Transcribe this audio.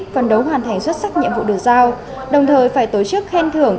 phần đấu hoàn thành xuất sắc nhiệm vụ được giao đồng thời phải tổ chức khen thưởng